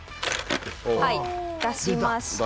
はい出しまして。